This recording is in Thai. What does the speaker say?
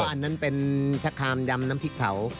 อันนั้นเป็นชะคามยำน้ำพริกเผา